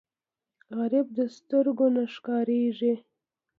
غریب د سترګو نه ښکارېږي